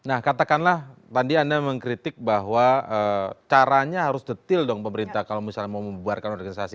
nah katakanlah tadi anda mengkritik bahwa caranya harus detil dong pemerintah kalau misalnya mau membuarkan organisasi